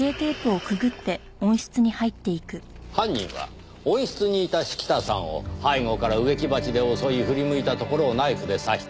犯人は温室にいた式田さんを背後から植木鉢で襲い振り向いたところをナイフで刺した。